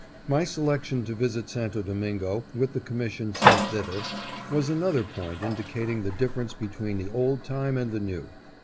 My selection to visit Santo Domingo with the commission sent thither, was another point indicating the difference between the old time and the new.